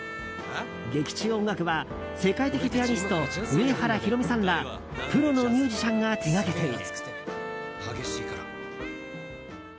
劇中音楽は、世界的ピアニスト上原ひろみさんらプロのミュージシャンが手掛けている。